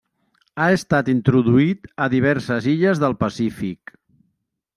Ha estat introduït a diverses illes del Pacífic.